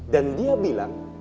dan dia bilang